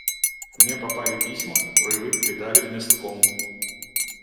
Ко мне попали письма, которые Вы передали в местком.